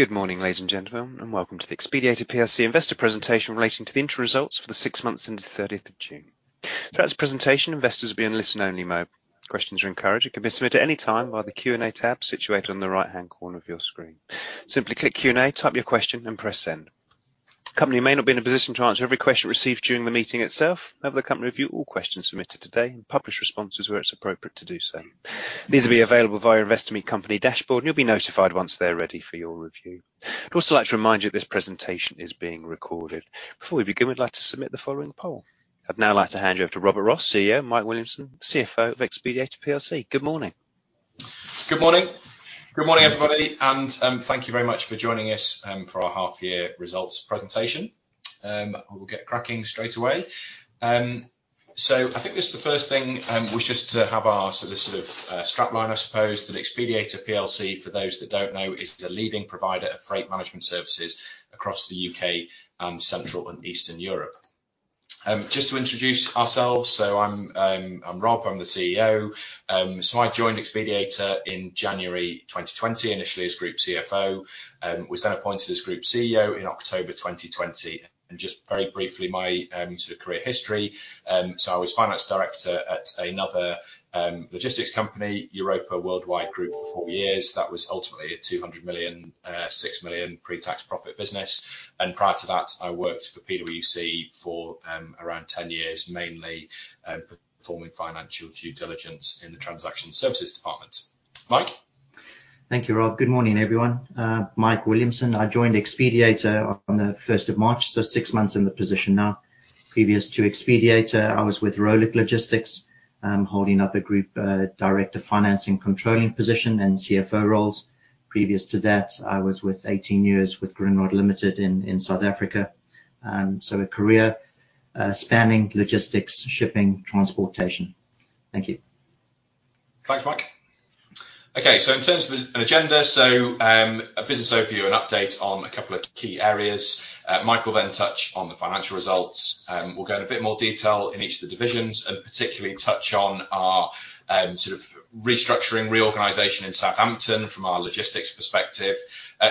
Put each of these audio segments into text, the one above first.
Good morning, ladies and gentlemen, and welcome to the Xpediator Plc investor presentation relating to the interim results for the six months ending the 30th of June. Throughout this presentation, investors will be in listen only mode. Questions are encouraged and can be submitted any time via the Q&A tab situated on the right-hand corner of your screen. Simply click Q&A, type your question and press send. The company may not be in a position to answer every question received during the meeting itself. However, the company review all questions submitted today and publish responses where it's appropriate to do so. These will be available via Investor Meet Company dashboard, and you'll be notified once they're ready for your review. I'd also like to remind you this presentation is being recorded. Before we begin, we'd like to submit the following poll. I'd now like to hand you over to Robert Ross, CEO, Mike Williamson, CFO of Xpediator Plc. Good morning. Good morning. Good morning, everybody, and thank you very much for joining us for our half-year results presentation. We'll get cracking straight away. I think this is the first thing, was just to have our sort of strapline, I suppose, that Xpediator Plc, for those that don't know, is the leading provider of freight management services across the UK and Central and Eastern Europe. Just to introduce ourselves. I'm Robert. I'm the CEO. I joined Xpediator in January 2020, initially as group CFO, was then appointed as group CEO in October 2020. Just very briefly, my sort of career history. I was finance director at another logistics company, Europa Worldwide Group, for four years. That was ultimately a 200 million, 6 million pre-tax profit business. Prior to that, I worked for PwC for around 10 years, mainly performing financial due diligence in the transaction services department. Mike? Thank you, Robert. Good morning, everyone. Mike Williamson. I joined Xpediator on the 1st of March, so six months in the position now. Previous to Xpediator, I was with Röhlig Logistics, holding up a group director financing controlling position and CFO roles. Previous to that, I was with 18 years with Grindrod Limited in South Africa. A career spanning logistics, shipping, transportation. Thank you. Thanks, Mike. In terms of an agenda, a business overview and update on a couple of key areas. Mike will touch on the financial results. We'll go in a bit more detail in each of the divisions and particularly touch on our sort of restructuring reorganization in Southampton from our logistics perspective.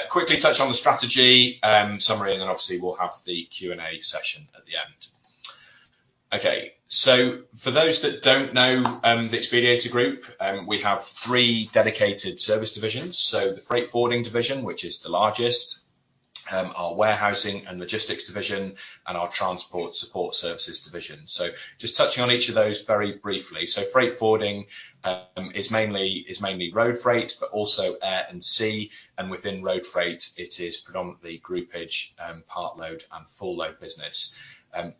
Quickly touch on the strategy summary, obviously we'll have the Q&A session at the end. For those that don't know the Xpediator Group, we have three dedicated service divisions. The freight forwarding division, which is the largest, our warehousing and logistics division, and our transport support services division. Just touching on each of those very briefly. Freight forwarding is mainly road freight, but also air and sea, and within road freight, it is predominantly groupage, part load and full load business.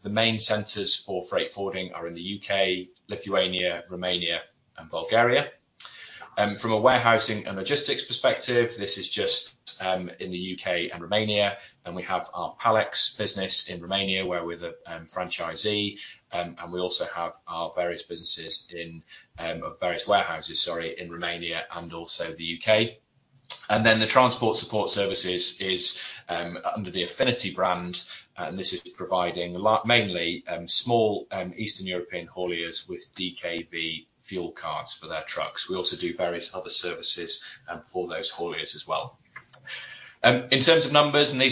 The main centers for freight forwarding are in the U.K., Lithuania, Romania and Bulgaria. From a warehousing and logistics perspective, this is just in the U.K. and Romania, and we have our Pall-Ex business in Romania where we're the franchisee. We also have our various businesses in, various warehouses, sorry, in Romania and also the U.K. The transport support services is under the Affinity brand, and this is providing mainly small Eastern European hauliers with DKV fuel cards for their trucks. We also do various other services for those hauliers as well. In terms of numbers, the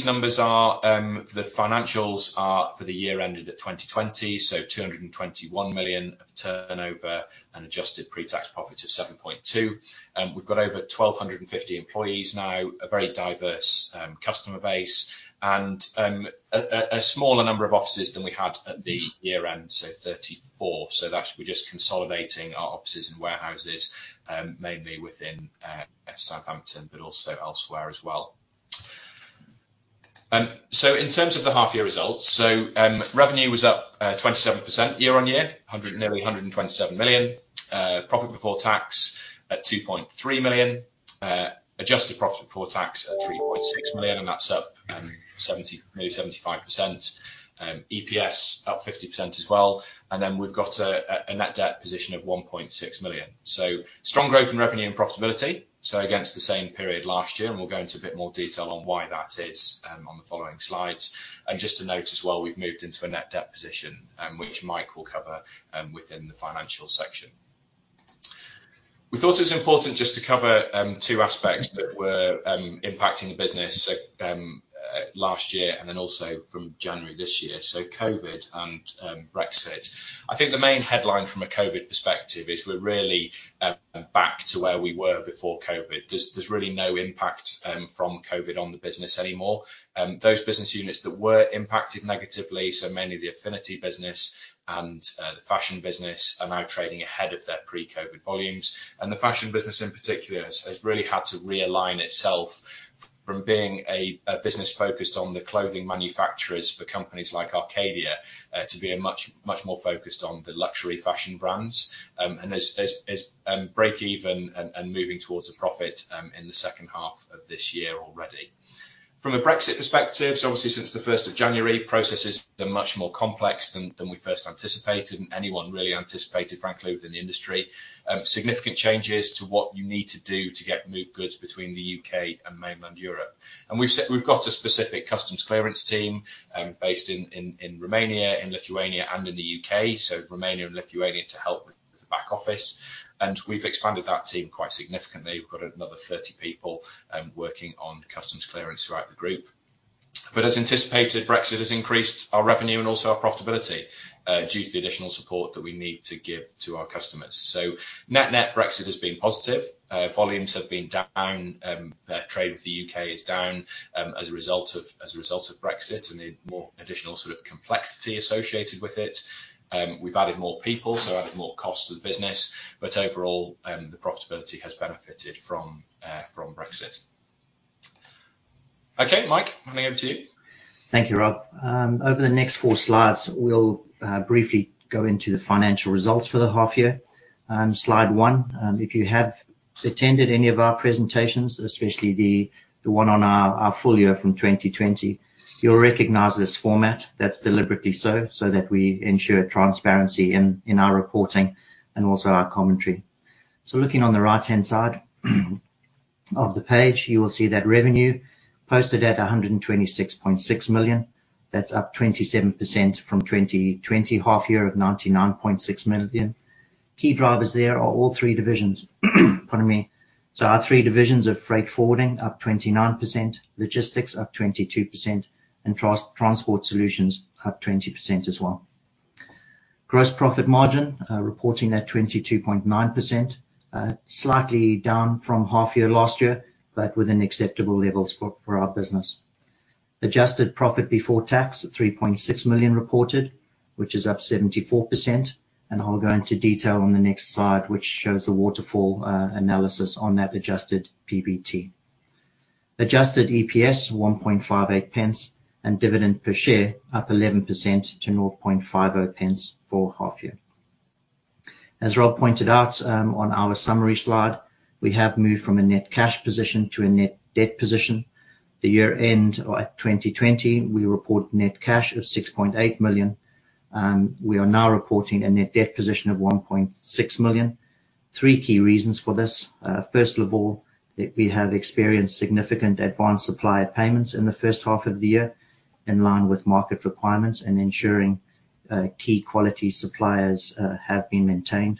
financials are for the year ended at 2020, 221 million of turnover and adjusted pre-tax profit of 7.2. We've got over 1,250 employees now, a very diverse customer base and a smaller number of offices than we had at the year-end, so 34. That's we're just consolidating our offices and warehouses, mainly within Southampton, but also elsewhere as well. In terms of the half year results, revenue was up 27% year-on-year, nearly 127 million. Profit before tax at 2.3 million. Adjusted profit before tax at 3.6 million, and that's up nearly 75%. EPS up 50% as well. We've got a net debt position of 1.6 million. Strong growth in revenue and profitability, against the same period last year, and we'll go into a bit more detail on why that is on the following slides. Just to note as well, we've moved into a net debt position, which Mike will cover within the financial section. We thought it was important just to cover two aspects that were impacting the business last year and then also from January this year, so COVID and Brexit. I think the main headline from a COVID perspective is we're really back to where we were before COVID. There's really no impact from COVID on the business anymore. Those business units that were impacted negatively, so mainly the Affinity business and the fashion business are now trading ahead of their pre-COVID volumes. The fashion business in particular has really had to realign itself from being a business focused on the clothing manufacturers for companies like Arcadia to being much more focused on the luxury fashion brands, and is break-even and moving towards a profit in the second half of this year already. From a Brexit perspective, obviously since the 1st of January, processes are much more complex than we first anticipated and anyone really anticipated, frankly, within the industry. Significant changes to what you need to do to move goods between the U.K. and mainland Europe. We've got a specific customs clearance team based in Romania, in Lithuania, and in the U.K. Romania and Lithuania to help with the back office. We've expanded that team quite significantly. We've got another 30 people working on customs clearance throughout the group. As anticipated, Brexit has increased our revenue and also our profitability due to the additional support that we need to give to our customers. Net-net, Brexit has been positive. Volumes have been down. Trade with the U.K. is down as a result of Brexit and the more additional sort of complexity associated with it. We've added more people, so added more cost to the business. Overall, the profitability has benefited from Brexit. Okay, Mike, handing over to you. Thank you, Robert. Over the next four slides, we'll briefly go into the financial results for the half year. Slide one. If you have attended any of our presentations, especially the one on our full year from 2020, you'll recognize this format. That's deliberately so that we ensure transparency in our reporting and also our commentary. Looking on the right-hand side of the page, you will see that revenue posted at 126.6 million. That's up 27% from 2020 half year of 99.6 million. Key drivers there are all three divisions. Pardon me. Our three divisions of Freight Forwarding up 29%, Logistics up 22%, and Transport Solutions up 20% as well. Gross profit margin, reporting at 22.9%, slightly down from half year last year, but within acceptable levels for our business. Adjusted profit before tax, 3.6 million reported, which is up 74%. I'll go into detail on the next slide, which shows the waterfall analysis on that adjusted PBT. Adjusted EPS, 0.0158. Dividend per share up 11% to 0.0050 for half year. As Robert pointed out on our summary slide, we have moved from a net cash position to a net debt position. The year-end at 2020, we report net cash of 6.8 million. We are now reporting a net debt position of 1.6 million. Three key reasons for this. First of all, we have experienced significant advance supplier payments in the first half of the year in line with market requirements and ensuring key quality suppliers have been maintained.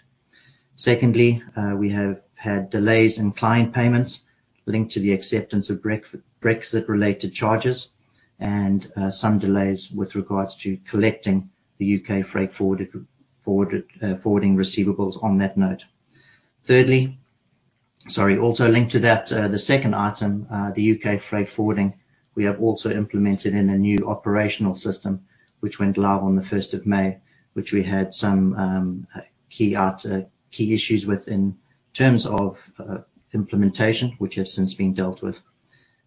Secondly, we have had delays in client payments linked to the acceptance of Brexit-related charges and some delays with regards to collecting the UK freight forwarding receivables on that note. Also linked to that, the second item, the UK freight forwarding, we have also implemented in a new operational system, which went live on the 1st of May, which we had some key issues with in terms of implementation, which have since been dealt with.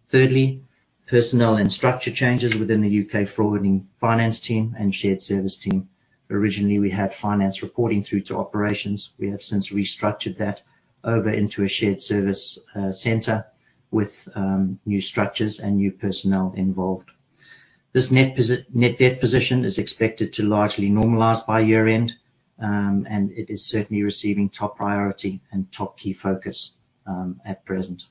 Thirdly, personnel and structure changes within the UK forwarding finance team and shared service team. Originally, we had finance reporting through to operations. We have since restructured that over into a shared service center with new structures and new personnel involved. This net debt position is expected to largely normalize by year end. It is certainly receiving top priority and top key focus at present.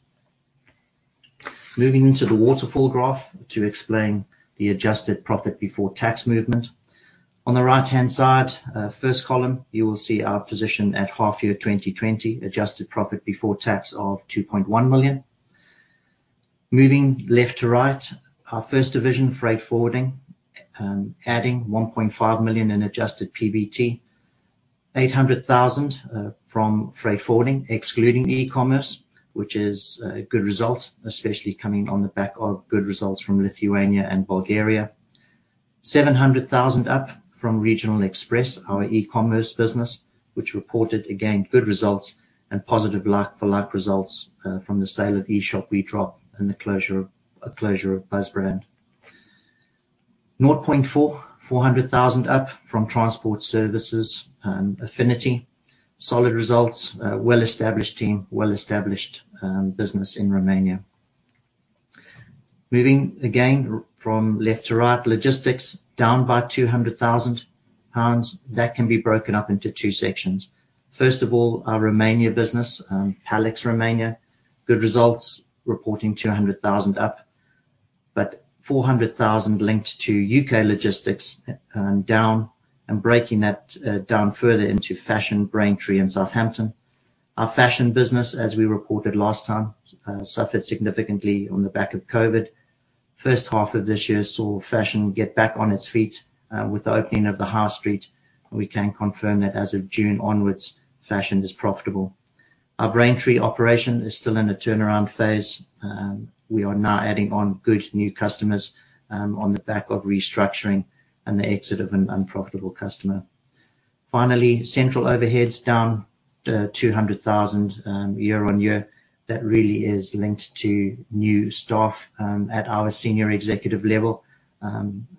Moving into the waterfall graph to explain the adjusted profit before tax movement. On the right-hand side, first column, you will see our position at half year 2020, adjusted profit before tax of 2.1 million. Moving left to right, our first division, Freight Forwarding, adding 1.5 million in adjusted PBT. 800,000 from Freight Forwarding, excluding e-commerce, which is a good result, especially coming on the back of good results from Lithuania and Bulgaria. 700,000 up from Regional Express, our e-commerce business, which reported, again, good results and positive like for like results from the sale of EshopWedrop and the closure of BuzzBrand. 400,000 up from Transport Services, Affinity. Solid results, well-established team, well-established business in Romania. Moving again from left to right, Logistics down by 200,000 pounds. That can be broken up into two sections. First of all, our Romania business, Pall-Ex Romania. Good results, reporting 200,000 up. 400,000 linked to UK logistics down and breaking that down further into Fashion, Braintree, and Southampton. Our Fashion business, as we reported last time, suffered significantly on the back of COVID. First half of this year saw Fashion get back on its feet with the opening of the High Street. We can confirm that as of June onwards, Fashion is profitable. Our Braintree operation is still in a turnaround phase. We are now adding on good new customers on the back of restructuring and the exit of an unprofitable customer. Finally, central overheads down 200,000 year-on-year. That really is linked to new staff at our senior executive level.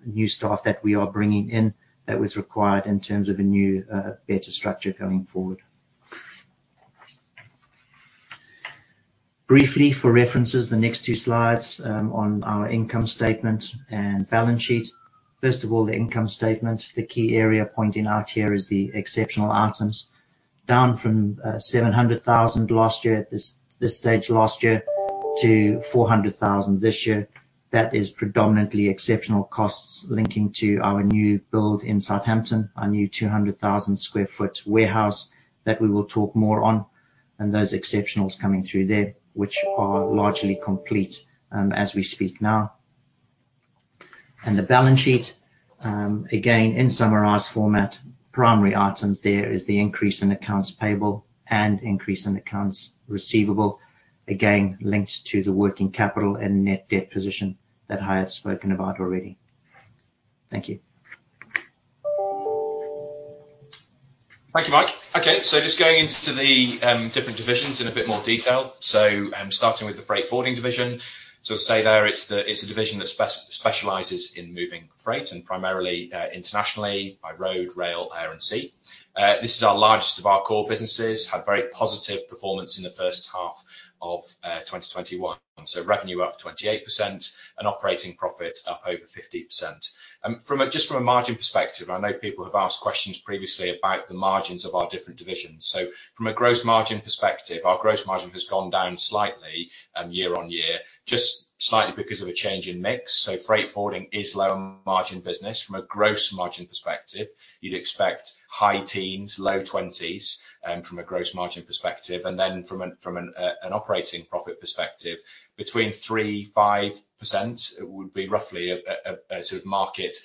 New staff that we are bringing in that was required in terms of a new, better structure going forward. Briefly, for references, the next two slides on our income statement and balance sheet. First of all, the income statement. The key area pointing out here is the exceptional items. Down from 700,000 last year at this stage last year to 400,000 this year. That is predominantly exceptional costs linking to our new build in Southampton, our new 200,000 sq ft warehouse that we will talk more on, and those exceptionals coming through there, which are largely complete as we speak now. The balance sheet, again, in summarized format. Primary items there is the increase in accounts payable and increase in accounts receivable, again, linked to the working capital and net debt position that I had spoken about already. Thank you. Thank you, Mike. Just going into the different divisions in a bit more detail. Starting with the Freight Forwarding division. As stated there, it's a division that specializes in moving freight and primarily internationally by road, rail, air, and sea. This is our largest of our core businesses. Had very positive performance in the first half of 2021. Revenue up 28% and operating profit up over 50%. Just from a margin perspective, I know people have asked questions previously about the margins of our different divisions. From a gross margin perspective, our gross margin has gone down slightly year-on-year, just slightly because of a change in mix. Freight forwarding is low-margin business. From a gross margin perspective, you'd expect high teens, low 20s from a gross margin perspective, and then from an operating profit perspective, between 3%-5% would be roughly a sort of market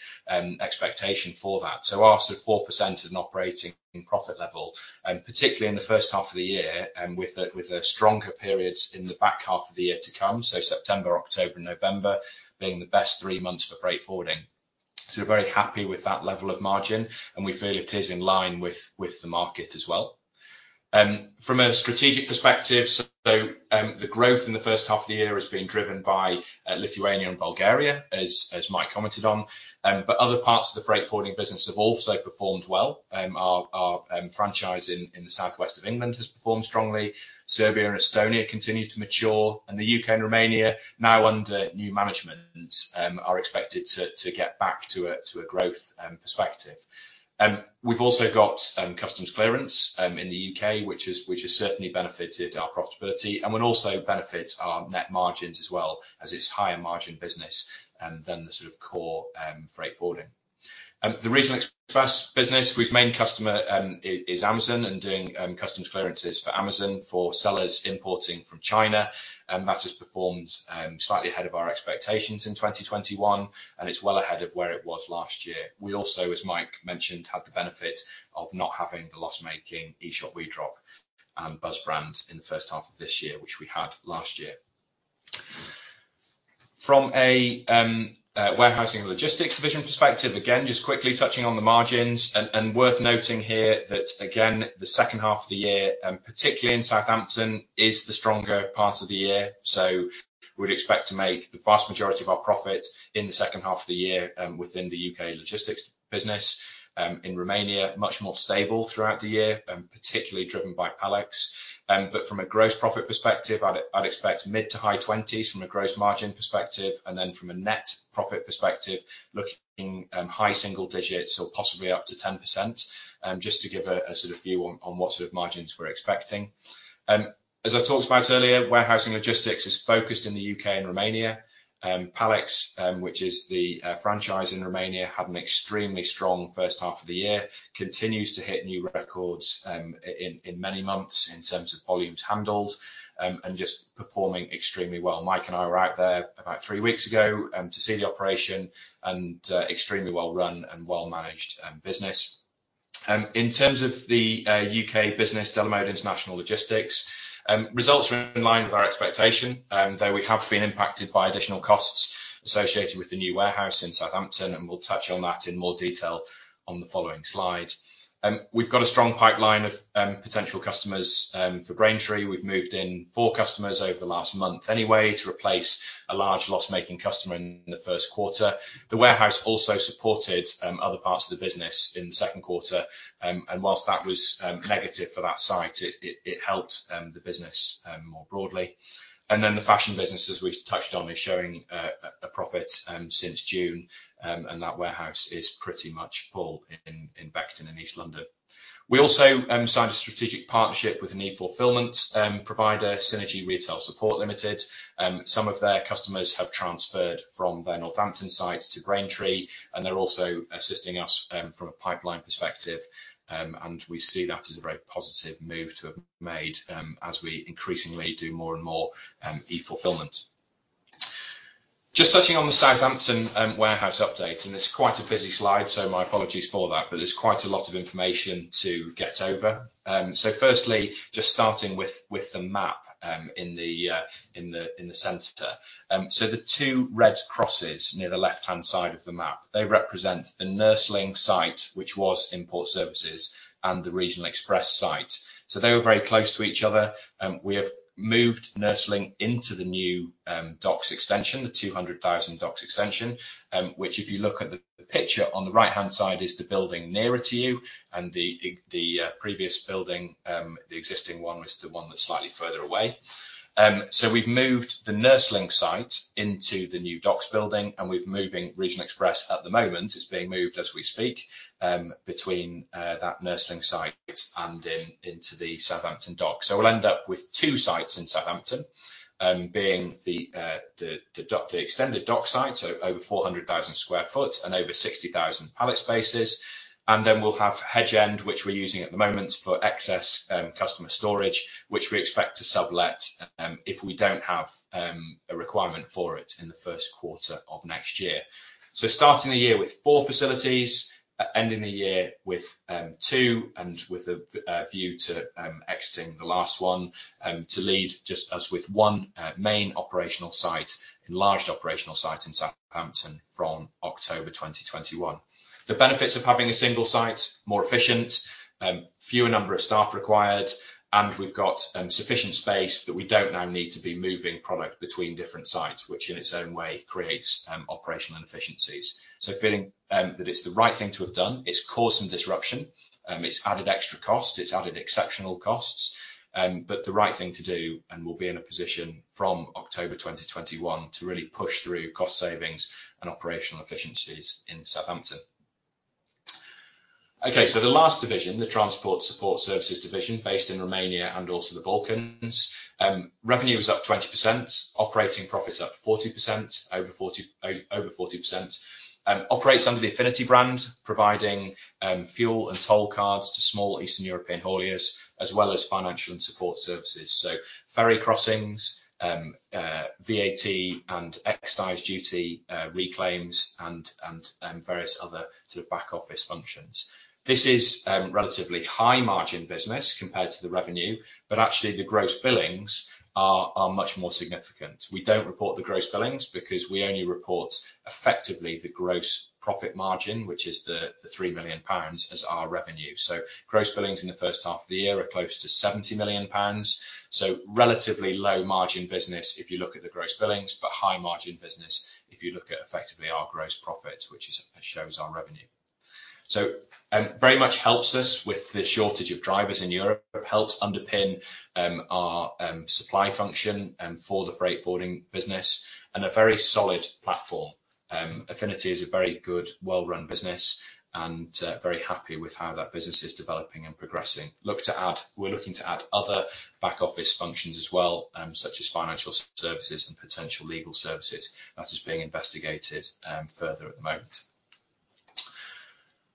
expectation for that. Our sort of 4% in operating profit level, particularly in the first half of the year, with the stronger periods in the back half of the year to come, September, October, November being the best three months for freight forwarding. We're very happy with that level of margin, and we feel it is in line with the market as well. From a strategic perspective, the growth in the first half of the year has been driven by Lithuania and Bulgaria, as Mike commented on. Other parts of the freight forwarding business have also performed well. Our franchise in the southwest of England has performed strongly. Serbia and Estonia continue to mature, and the U.K. and Romania, now under new management, are expected to get back to a growth perspective. We have also got customs clearance in the U.K., which has certainly benefited our profitability and would also benefit our net margins as well as its higher margin business than the sort of core freight forwarding. The Regional Express business, whose main customer is Amazon and doing customs clearances for Amazon for sellers importing from China, that has performed slightly ahead of our expectations in 2021, and it is well ahead of where it was last year. We also, as Mike mentioned, had the benefit of not having the loss-making Eshopwedrop and BuzzBrand in the first half of this year, which we had last year. From a warehousing logistics division perspective, again, just quickly touching on the margins and worth noting here that, again, the second half of the year, particularly in Southampton, is the stronger part of the year. We'd expect to make the vast majority of our profit in the second half of the year within the UK logistics business. In Romania, much more stable throughout the year, particularly driven by Pall-Ex. From a gross profit perspective, I'd expect mid to high 20s from a gross margin perspective. From a net profit perspective, looking high single digits or possibly up to 10%, just to give a sort of view on what sort of margins we're expecting. As I talked about earlier, warehousing logistics is focused in the U.K. and Romania. Pall-Ex, which is the franchise in Romania, had an extremely strong first half of the year. Continues to hit new records in many months in terms of volumes handled, and just performing extremely well. Mike and I were out there about three weeks ago to see the operation and extremely well-run and well-managed business. In terms of the UK business, Delamode International Logistics, results were in line with our expectation, though we have been impacted by additional costs associated with the new warehouse in Southampton, and we'll touch on that in more detail on the following slide. We've got a strong pipeline of potential customers for Braintree. We've moved in four customers over the last month anyway to replace a large loss-making customer in the first quarter. The warehouse also supported other parts of the business in the second quarter, and whilst that was negative for that site, it helped the business more broadly. The fashion business, as we've touched on, is showing a profit since June. That warehouse is pretty much full in Beckton in East London. We also signed a strategic partnership with an e-fulfillment provider, Synergy Retail Support Limited. Some of their customers have transferred from their Northampton site to Braintree, and they're also assisting us from a pipeline perspective. We see that as a very positive move to have made as we increasingly do more and more e-fulfillment. Just touching on the Southampton warehouse update, and it's quite a busy slide, so my apologies for that, but there's quite a lot of information to get over. Firstly, just starting with the map in the center. The two red crosses near the left-hand side of the map, they represent the Nursling site, which was Import Services and the Regional Express site. They were very close to each other. We have moved Nursling into the new Docks extension, the 200,000 Docks extension, which if you look at the picture on the right-hand side is the building nearer to you and the previous building, the existing one was the one that's slightly further away. We've moved the Nursling site into the new Docks building, and we're moving Regional Express at the moment. It's being moved as we speak, between that Nursling site and into the Southampton Dock. We'll end up with two sites in Southampton, being the extended Dock site, so over 400,000 sq ft and over 60,000 pallet spaces. We'll have Hedge End, which we're using at the moment for excess customer storage, which we expect to sublet if we don't have a requirement for it in the first quarter of next year. Starting the year with four facilities, ending the year with two and with a view to exiting the last one to lead just as with one main operational site, enlarged operational site in Southampton from October 2021. The benefits of having a single site, more efficient, fewer number of staff required, and we've got sufficient space that we don't now need to be moving product between different sites, which in its own way creates operational inefficiencies. Feeling that it's the right thing to have done. It's caused some disruption. It's added extra cost. It's added exceptional costs. The right thing to do and will be in a position from October 2021 to really push through cost savings and operational efficiencies in Southampton. The last one division, the Transport Support Services division based in Romania and also the Balkans. Revenue is up 20%, operating profits up over 40%. Operates under the Affinity brand, providing fuel and toll cards to small Eastern European hauliers as well as financial and support services, so ferry crossings, VAT and excise duty reclaims and various other back-office functions. This is relatively high-margin business compared to the revenue, but actually, the gross billings are much more significant. We don't report the gross billings because we only report effectively the gross profit margin, which is the 3 million pounds as our revenue. Gross billings in the first half of the year are close to 70 million pounds. Relatively low-margin business if you look at the gross billings, but high-margin business if you look at effectively our gross profit, which shows our revenue. Very much helps us with the shortage of drivers in Europe, helps underpin our supply function for the freight forwarding business and a very solid platform. Affinity is a very good, well-run business and very happy with how that business is developing and progressing. We're looking to add other back-office functions as well, such as financial services and potential legal services. That is being investigated further at the moment.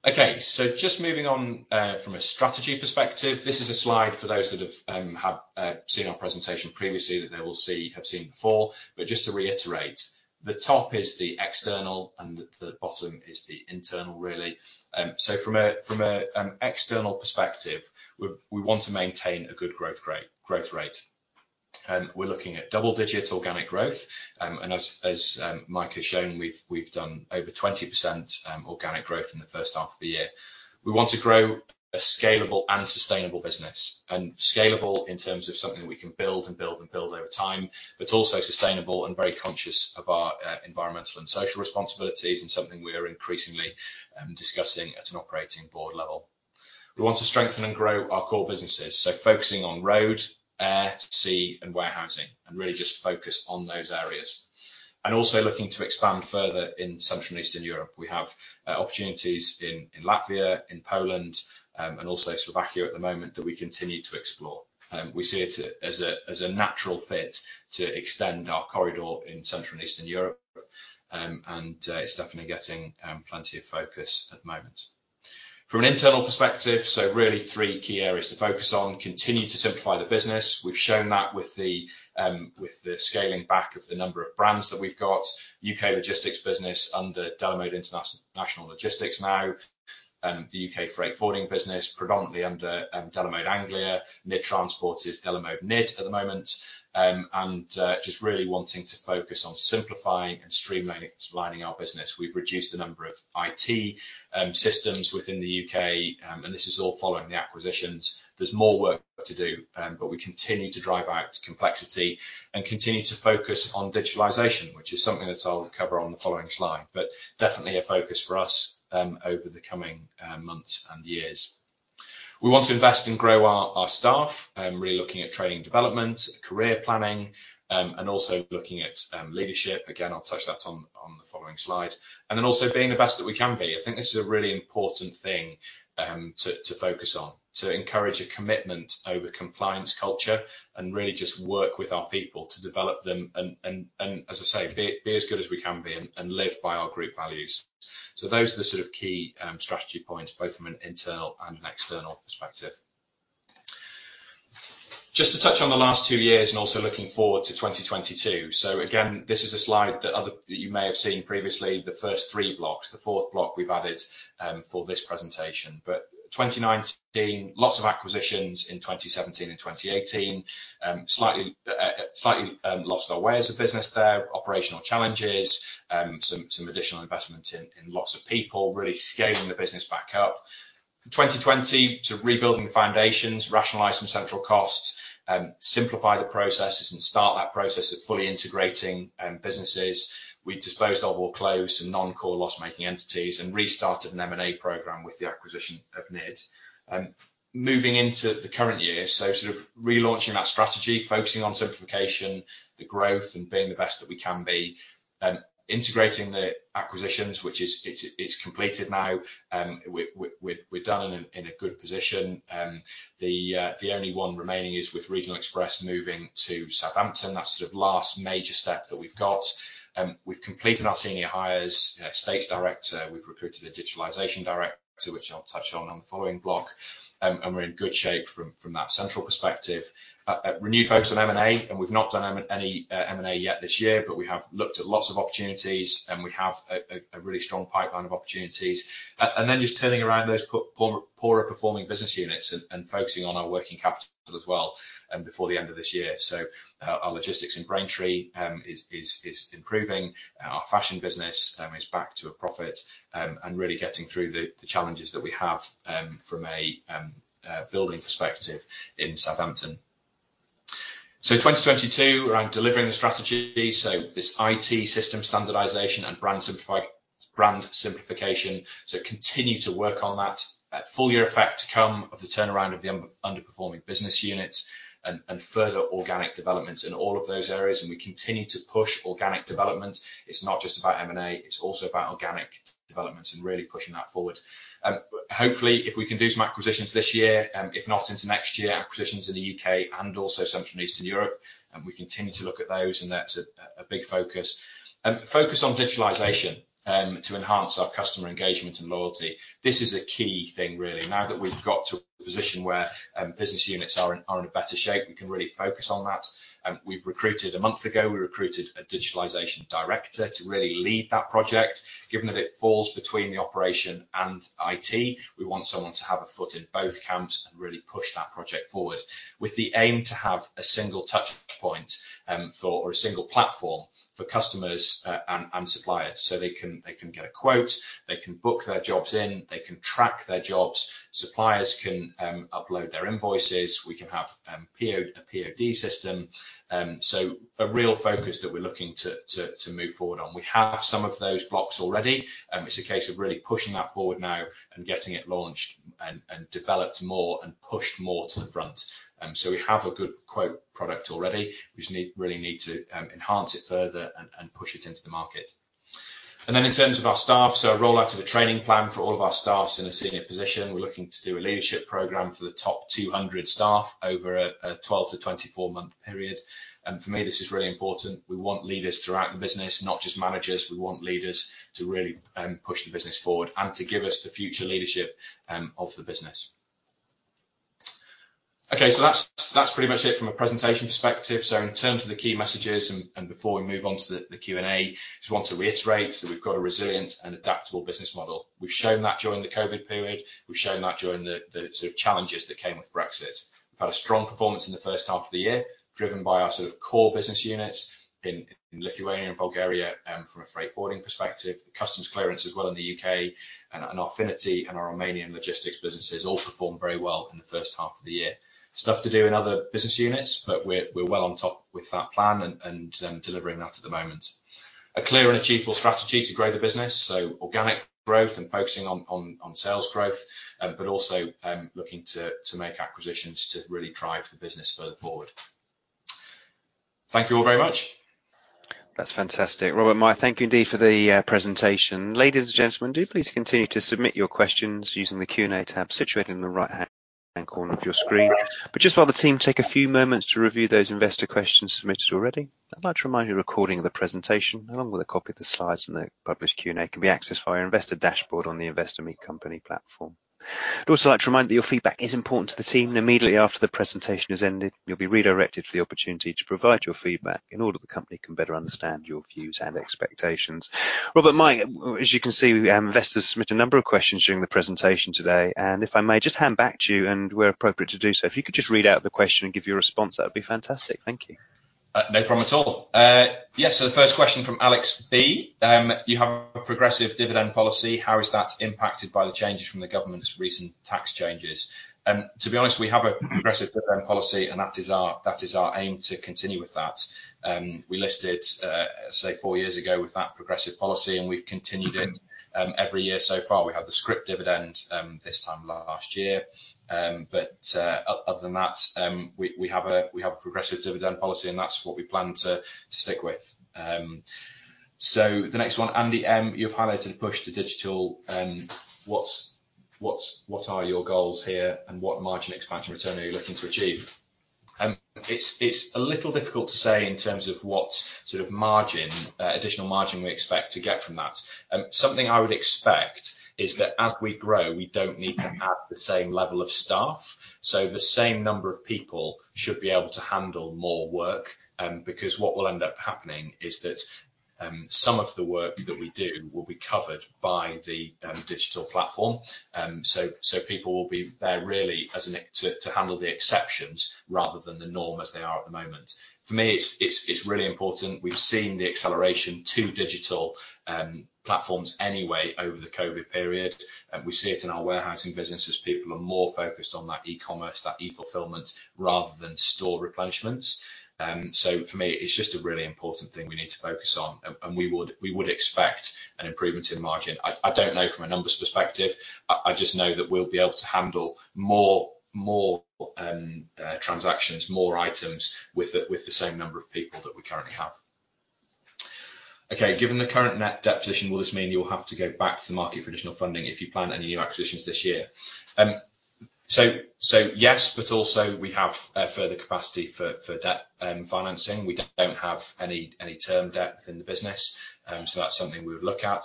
Okay. Just moving on, from a strategy perspective, this is a slide for those that have seen our presentation previously, that they will have seen before. Just to reiterate, the top is the external and the bottom is the internal really. From an external perspective, we want to maintain a good growth rate. We're looking at double-digit organic growth, and as Mike has shown, we've done over 20% organic growth in the first half of the year. We want to grow a scalable and sustainable business, and scalable in terms of something that we can build and build and build over time, but also sustainable and very conscious of our environmental and social responsibilities and something we are increasingly discussing at an operating board level. We want to strengthen and grow our core businesses, so focusing on road, air, sea, and warehousing, and really just focus on those areas. Also looking to expand further in Central and Eastern Europe. We have opportunities in Latvia, in Poland, and also Slovakia at the moment that we continue to explore. We see it as a natural fit to extend our corridor in Central and Eastern Europe, and it's definitely getting plenty of focus at the moment. From an internal perspective, so really three key areas to focus on. Continue to simplify the business. We've shown that with the scaling back of the number of brands that we've got. UK logistics business under Delamode International Logistics now. The UK freight forwarding business predominantly under Delamode Anglia. Nidd Transport is Delamode Nidd at the moment. Just really wanting to focus on simplifying and streamlining our business. We've reduced the number of IT systems within the U.K., and this is all following the acquisitions. There's more work to do, but we continue to drive out complexity and continue to focus on digitalization, which is something that I'll cover on the following slide, but definitely a focus for us over the coming months and years. We want to invest and grow our staff, really looking at training and development, career planning, and also looking at leadership. Again, I'll touch that on the following slide. Then also being the best that we can be. I think this is a really important thing to focus on, to encourage a commitment over compliance culture and really just work with our people to develop them and, as I say, be as good as we can be and live by our group values. Those are the sort of key strategy points both from an internal and an external perspective. Just to touch on the last two years and also looking forward to 2022. Again, this is a slide that you may have seen previously, the first three blocks. The fourth block we've added for this presentation. 2019, lots of acquisitions in 2017 and 2018. Slightly lost our way as a business there. Operational challenges, some additional investment in lots of people really scaling the business back up. 2020, sort of rebuilding the foundations, rationalize some central costs, simplify the processes, start that process of fully integrating businesses. We disposed of or closed some non-core loss-making entities and restarted an M&A program with the acquisition of Nidd. Moving into the current year, sort of relaunching that strategy, focusing on simplification, the growth, and being the best that we can be. Integrating the acquisitions, which is completed now. We're done and in a good position. The only one remaining is with Regional Express moving to Southampton, that sort of last major step that we've got. We've completed our senior hires, Estates Director, we've recruited a Digitalization Director, which I'll touch on the following block. We're in good shape from that central perspective. A renewed focus on M&A. We've not done any M&A yet this year, but we have looked at lots of opportunities, and we have a really strong pipeline of opportunities. Just turning around those poorer-performing business units and focusing on our working capital as well before the end of this year. Our logistics in Braintree is improving. Our fashion business is back to a profit, and really getting through the challenges that we have from a building perspective in Southampton. 2022, around delivering the strategy, this IT system standardization and brand simplification continue to work on that. Full-year effect to come of the turnaround of the underperforming business units and further organic developments in all of those areas, and we continue to push organic development. It's not just about M&A, it's also about organic development and really pushing that forward. Hopefully, if we can do some acquisitions this year, if not into next year, acquisitions in the U.K. and also Central and Eastern Europe, and we continue to look at those, and that's a big focus. Focus on digitalization to enhance our customer engagement and loyalty. This is a key thing really. Now that we've got to a position where business units are in a better shape, we can really focus on that. A month ago, we recruited a digitalization director to really lead that project, given that it falls between the operation and IT. We want someone to have a foot in both camps and really push that project forward with the aim to have a single touch point, or a single platform for customers and suppliers, so they can get a quote, they can book their jobs in, they can track their jobs. Suppliers can upload their invoices. We can have a POD system. A real focus that we're looking to move forward on. We have some of those blocks already. It's a case of really pushing that forward now and getting it launched and developed more and pushed more to the front. We have a good quote product already. We just really need to enhance it further and push it into the market. In terms of our staff, a rollout of a training plan for all of our staff in a senior position. We're looking to do a leadership program for the top 200 staff over a 12-24-month period. For me, this is really important. We want leaders throughout the business, not just managers. We want leaders to really push the business forward and to give us the future leadership of the business. That's pretty much it from a presentation perspective. In terms of the key messages, and before we move on to the Q&A, just want to reiterate that we've got a resilient and adaptable business model. We've shown that during the COVID period. We've shown that during the sort of challenges that came with Brexit. We've had a strong performance in the first half of the year, driven by our sort of core business units in Lithuania and Bulgaria, from a freight forwarding perspective. The customs clearance as well in the U.K. and our Affinity and our Romanian logistics businesses all performed very well in the first half of the year. Stuff to do in other business units, but we're well on top with that plan and delivering that at the moment. A clear and achievable strategy to grow the business, so organic growth and focusing on sales growth, but also looking to make acquisitions to really drive the business further forward. Thank you all very much. That's fantastic. Robert, thank you indeed for the presentation. Ladies and gentlemen, do please continue to submit your questions using the Q&A tab situated in the right-hand corner of your screen. Just while the team take a few moments to review those investor questions submitted already, I'd like to remind you a recording of the presentation, along with a copy of the slides and the published Q&A, can be accessed via investor dashboard on the Investor Meet Company platform. I'd also like to remind that your feedback is important to the team, and immediately after the presentation has ended, you'll be redirected for the opportunity to provide your feedback in order that the company can better understand your views and expectations. Robert Ross, as you can see, our investors submitted a number of questions during the presentation today, and if I may just hand back to you and where appropriate to do so, if you could just read out the question and give your response, that would be fantastic. Thank you. No problem at all. Yeah, so the first question from Alex B. "You have a progressive dividend policy. How is that impacted by the changes from the government's recent tax changes?" To be honest, we have a progressive dividend policy, and that is our aim to continue with that. We listed, say, four years ago with that progressive policy, and we've continued it every year so far. We had the scrip dividend this time last year. Other than that, we have a progressive dividend policy, and that's what we plan to stick with. The next one, Andy M. "You've highlighted a push to digital. What are your goals here, and what margin expansion return are you looking to achieve?" It's a little difficult to say in terms of what sort of additional margin we expect to get from that. Something I would expect is that as we grow, we don't need to add the same level of staff, so the same number of people should be able to handle more work, because what will end up happening is that some of the work that we do will be covered by the digital platform. People will be there really to handle the exceptions rather than the norm as they are at the moment. For me, it's really important. We've seen the acceleration to digital platforms anyway over the COVID period. We see it in our warehousing business as people are more focused on that e-commerce, that e-fulfillment rather than store replenishments. For me, it's just a really important thing we need to focus on, and we would expect an improvement in margin. I don't know from a numbers perspective, I just know that we'll be able to handle more transactions, more items with the same number of people that we currently have. Okay. Given the current net debt position, will this mean you'll have to go back to the market for additional funding if you plan any new acquisitions this year? Yes, but also we have further capacity for debt financing. We don't have any term debt within the business, that's something we would look at.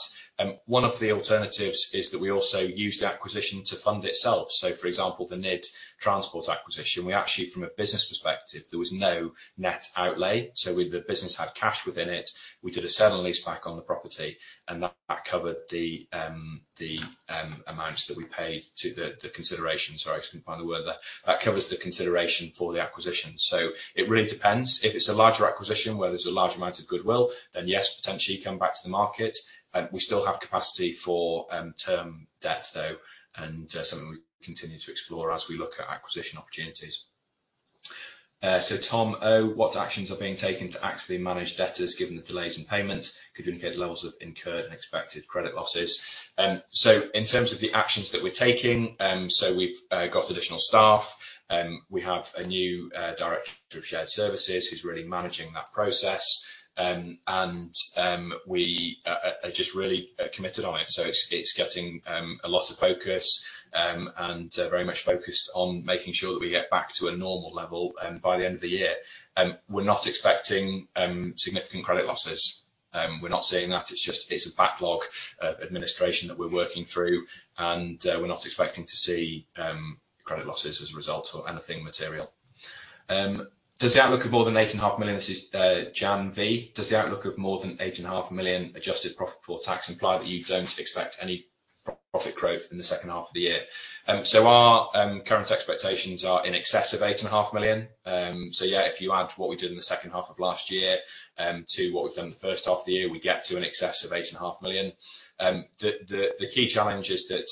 One of the alternatives is that we also use the acquisition to fund itself. For example, the Nidd Transport acquisition, we actually, from a business perspective, there was no net outlay. The business had cash within it. We did a sale and leaseback on the property, and that covered the amounts that we paid to the consideration. Sorry, I just couldn't find the word there. That covers the consideration for the acquisition. It really depends. If it's a larger acquisition where there's a large amount of goodwill, then yes, potentially come back to the market. We still have capacity for term debt, though, and something we continue to explore as we look at acquisition opportunities. Tom O, "What actions are being taken to actively manage debtors given the delays in payments? Could you indicate levels of incurred and expected credit losses?" In terms of the actions that we're taking, we've got additional staff. We have a new director of shared services who's really managing that process. We are just really committed on it. It's getting a lot of focus, and very much focused on making sure that we get back to a normal level by the end of the year. We're not expecting significant credit losses. We're not seeing that. It's a backlog administration that we're working through, and we're not expecting to see credit losses as a result or anything material. This is Jan V., "Does the outlook of more than 8.5 million adjusted profit for tax imply that you don't expect any profit growth in the second half of the year?" Our current expectations are in excess of 8.5 million. If you add what we did in the second half of last year to what we've done in the first half of the year, we get to in excess of 8.5 million. The key challenge is that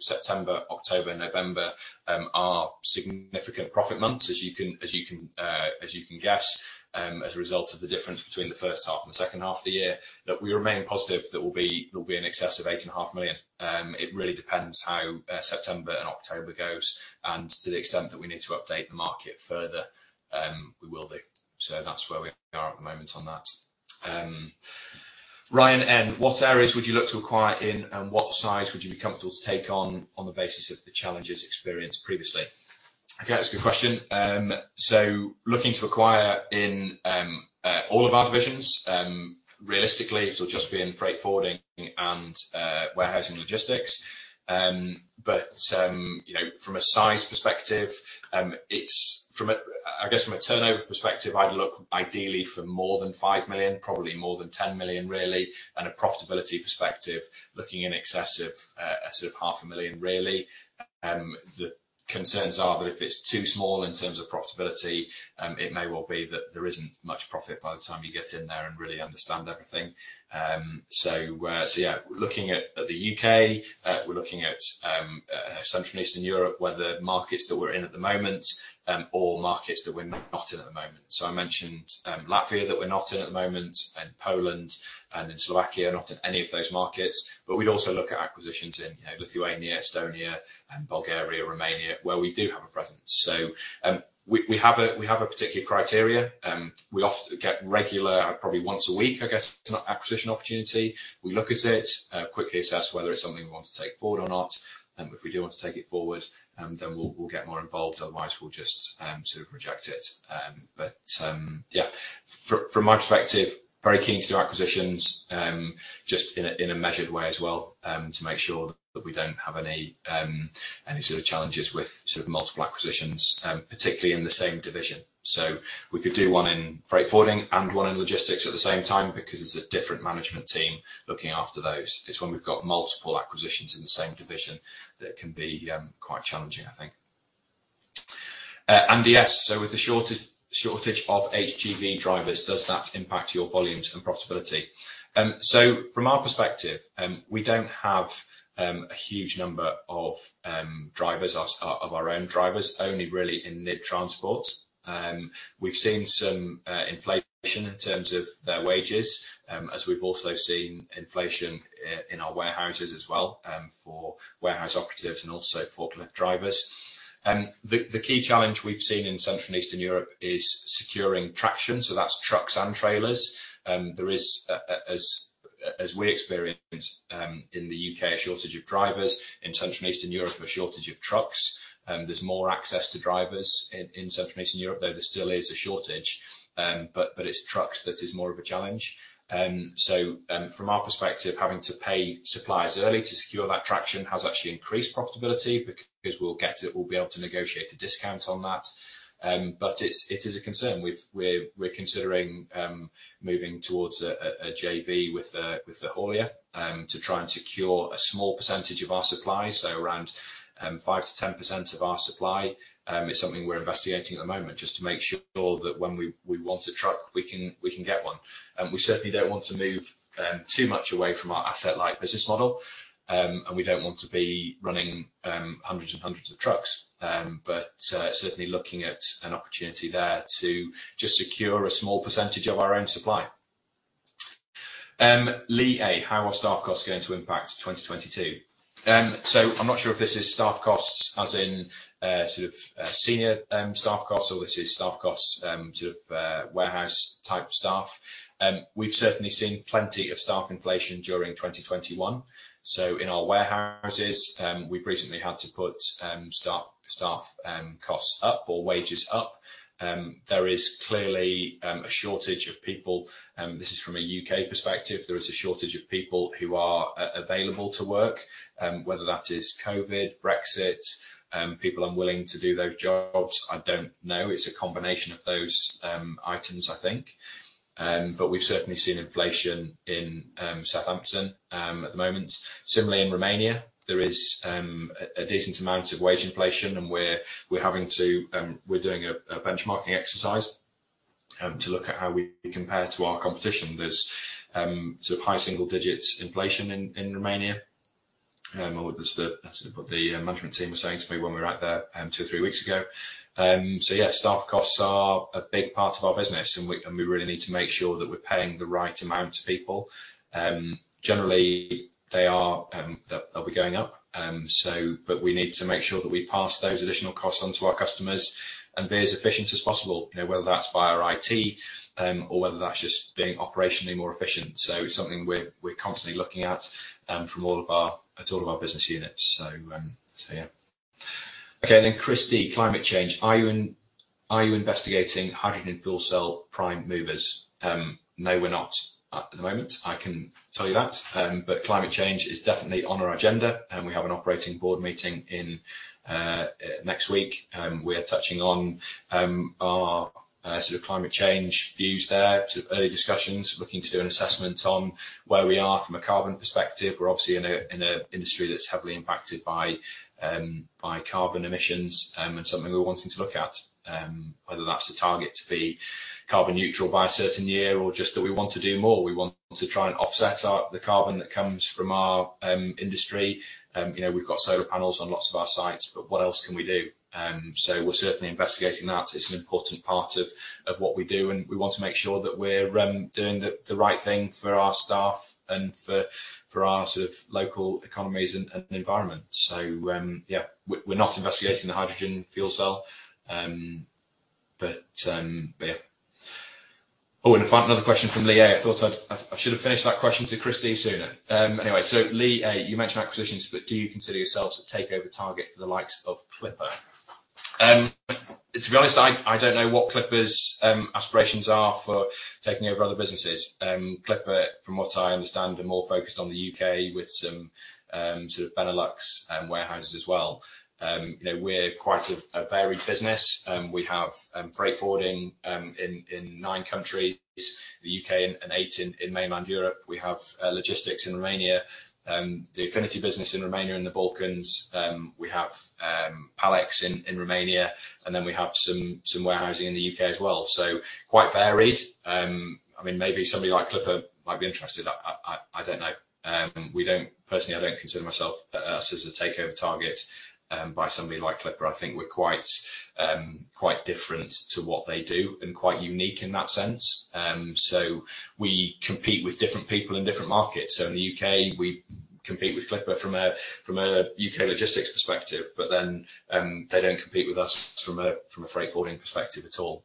September, October, and November are significant profit months as you can guess, as a result of the difference between the first half and the second half of the year, that we remain positive that will be in excess of eight and a half million. It really depends how September and October goes and to the extent that we need to update the market further, we will do. That's where we are at the moment on that. Ryan N., "What areas would you look to acquire in and what size would you be comfortable to take on the basis of the challenges experienced previously?" Okay, that's a good question. Looking to acquire in all of our divisions. Realistically, it'll just be in freight forwarding and warehousing logistics. From a size perspective, I guess from a turnover perspective, I'd look ideally for more than 5 million, probably more than 10 million really, and a profitability perspective, looking in excess of 0.5 million, really. The concerns are that if it's too small in terms of profitability, it may well be that there isn't much profit by the time you get in there and really understand everything. Yeah, we're looking at the U.K., we're looking at Central and Eastern Europe, where the markets that we're in at the moment, or markets that we're not in at the moment. I mentioned Latvia that we're not in at the moment, and Poland and in Slovakia, not in any of those markets. We'd also look at acquisitions in Lithuania, Estonia and Bulgaria, Romania, where we do have a presence. We have a particular criteria. We often get regular, probably once a week, I guess, an acquisition opportunity. We look at it, quickly assess whether it's something we want to take forward or not. If we do want to take it forward, we'll get more involved. Otherwise, we'll just sort of reject it. Yeah, from my perspective, very keen to do acquisitions, just in a measured way as well, to make sure that we don't have any sort of challenges with multiple acquisitions, particularly in the same division. We could do one in freight forwarding and one in logistics at the same time because it's a different management team looking after those. It's when we've got multiple acquisitions in the same division that it can be quite challenging, I think. Andy S., "With the shortage of HGV drivers, does that impact your volumes and profitability?" From our perspective, we don't have a huge number of our own drivers, only really in Nidd Transport. We've seen some inflation in terms of their wages, as we've also seen inflation in our warehouses as well, for warehouse operatives and also forklift drivers. The key challenge we've seen in Central and Eastern Europe is securing traction, so that's trucks and trailers. There is, as we experience in the U.K., a shortage of drivers. In Central and Eastern Europe, a shortage of trucks. There's more access to drivers in Central and Eastern Europe, though there still is a shortage, but it's trucks that is more of a challenge. From our perspective, having to pay suppliers early to secure that traction has actually increased profitability because we will be able to negotiate a discount on that. It is a concern. We are considering moving towards a JV with a haulier to try and secure a small percentage of our supply, so around 5%-10% of our supply. It is something we are investigating at the moment just to make sure that when we want a truck, we can get one. We certainly do not want to move too much away from our asset-light business model, and we do not want to be running 100s and 100s of trucks. Certainly looking at an opportunity there to just secure a small percentage of our own supply. I'm not sure if this is staff costs as in senior staff costs, or this is staff costs, sort of, warehouse-type staff. We've certainly seen plenty of staff inflation during 2021. In our warehouses, we've recently had to put staff costs up or wages up. There is clearly a shortage of people, this is from a UK perspective. There is a shortage of people who are available to work, whether that is COVID, Brexit, people unwilling to do those jobs, I don't know. It's a combination of those items, I think. We've certainly seen inflation in Southampton at the moment. Similarly, in Romania, there is a decent amount of wage inflation, and we're doing a benchmarking exercise to look at how we compare to our competition. There's high single digits inflation in Romania, or that's what the management team were saying to me when we were out there two or three weeks ago. Staff costs are a big part of our business, and we really need to make sure that we're paying the right amount to people. Generally, they'll be going up, but we need to make sure that we pass those additional costs on to our customers and be as efficient as possible, whether that's via IT, or whether that's just being operationally more efficient. It's something we're constantly looking at at all of our business units. Yeah. Chris D, "Climate change. Are you investigating hydrogen fuel cell prime movers?" No, we're not at the moment, I can tell you that. Climate change is definitely on our agenda. We have an operating board meeting in next week. We are touching on our climate change views there to early discussions, looking to do an assessment on where we are from a carbon perspective. We're obviously in an industry that's heavily impacted by carbon emissions, and something we're wanting to look at, whether that's a target to be carbon neutral by a certain year or just that we want to do more. We want to try and offset the carbon that comes from our industry. We've got solar panels on lots of our sites, but what else can we do? We're certainly investigating that. It's an important part of what we do, and we want to make sure that we're doing the right thing for our staff and for our local economies and environment. Yeah, we're not investigating the hydrogen fuel cell. In fact, another question from Lee A. I should have finished that question to Chris D sooner. Anyway, Lee A, "You mentioned acquisitions, but do you consider yourselves a takeover target for the likes of Clipper?" To be honest, I don't know what Clipper's aspirations are for taking over other businesses. Clipper, from what I understand, are more focused on the U.K. with some sort of Benelux warehouses as well. We're quite a varied business. We have freight forwarding in nine countries, the U.K. and eight in mainland Europe. We have logistics in Romania, the Affinity business in Romania and the Balkans. We have Pall-Ex in Romania, and then we have some warehousing in the U.K. as well. Quite varied. Maybe somebody like Clipper might be interested. I don't know. Personally, I don't consider us as a takeover target by somebody like Clipper. I think we're quite different to what they do and quite unique in that sense. We compete with different people in different markets. In the U.K., we compete with Clipper from a UK logistics perspective, but then they don't compete with us from a freight forwarding perspective at all.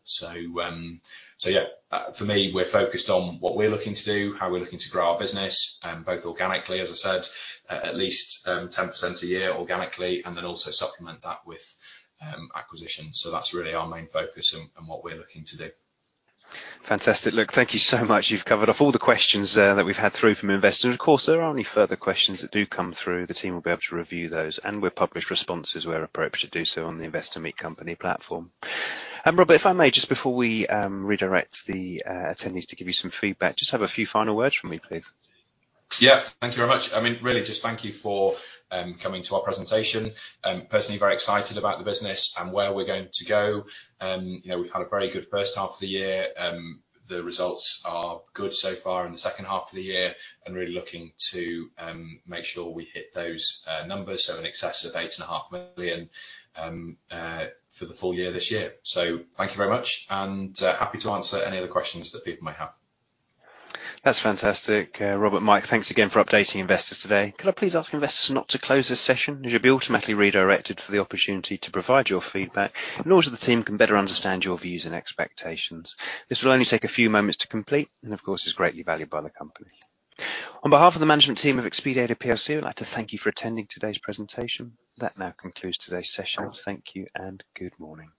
Yeah, for me, we're focused on what we're looking to do, how we're looking to grow our business, both organically, as I said, at least 10% a year organically, and then also supplement that with acquisitions. That's really our main focus and what we're looking to do. Fantastic. Look, thank you so much. You've covered off all the questions that we've had through from investors. Of course, if there are any further questions that do come through, the team will be able to review those, and we'll publish responses where appropriate to do so on the Investor Meet Company platform. Robert, if I may, just before we redirect the attendees to give you some feedback, just have a few final words from you, please. Thank you very much. Really just thank you for coming to our presentation. Personally, very excited about the business and where we're going to go. We've had a very good first half of the year. The results are good so far in the second half of the year and really looking to make sure we hit those numbers, in excess of 8.5 million for the full year this year. Thank you very much and happy to answer any other questions that people may have. That's fantastic, Robert. Mike, thanks again for updating investors today. Could I please ask investors not to close this session, as you'll be automatically redirected for the opportunity to provide your feedback in order that the team can better understand your views and expectations. This will only take a few moments to complete and, of course, is greatly valued by the company. On behalf of the management team of Xpediator Plc, I'd like to thank you for attending today's presentation. That now concludes today's session. Thank you and good morning.